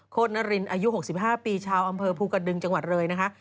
นรินอายุ๖๕ปีชาวอำเภอภูกระดึงจังหวัดเลยนะคะ